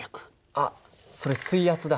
あっそれ水圧だ。